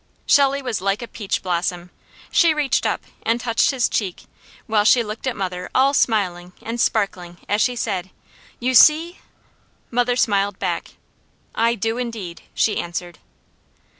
Shelley was like a peach blossom. She reached up and touched his cheek, while she looked at mother all smiling, and sparkling, as she said: "You see!" Mother smiled back. "I do, indeed!" she answered.